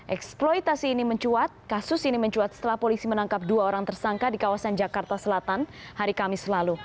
eksploitasi ini mencuat kasus ini mencuat setelah polisi menangkap dua orang tersangka di kawasan jakarta selatan hari kamis lalu